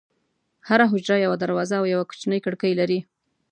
هره حجره یوه دروازه او یوه کوچنۍ کړکۍ لري.